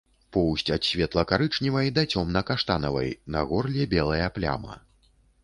Поўсць ад светла-карычневай да цёмна-каштанавай, на горле белая пляма.